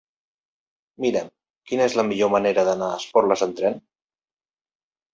Mira'm quina és la millor manera d'anar a Esporles amb tren.